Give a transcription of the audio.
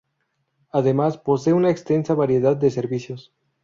Además, posee una extensa variedad de servicios.